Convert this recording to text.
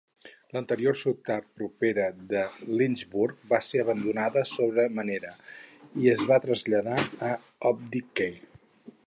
L'anterior ciutat propera de Lynchburg va ser abandonada sobre manera i es va traslladar a Opdyke.